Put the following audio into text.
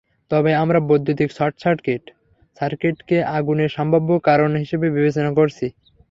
তবে আমরা বৈদ্যুতিক শর্টসার্কিট সার্কিটকে আগুনের সম্ভাব্য কারণ হিসেবে বিবেচনা করছি।